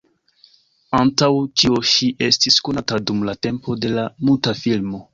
Antaŭ ĉio ŝi estis konata dum la tempo de la muta filmo.